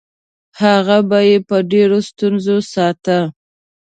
هغه به یې په ډېرو ستونزو ساته.